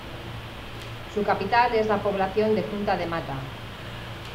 Su capital es la población de Punta de Mata.